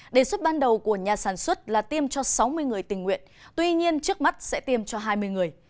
đề xuất ban đầu của nhà sản xuất là tiêm cho sáu mươi người tình nguyện tuy nhiên trước mắt sẽ tiêm cho hai mươi người